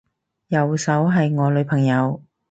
右手係我女朋友